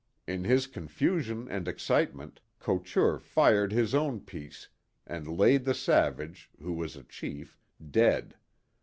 In his confusion and excitement, Couture fired his own piece and laid the savage, who was a chief, dead.